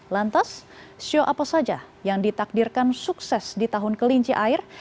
lantas sio apa saja yang ditakdirkan sukses di tahun kelinci air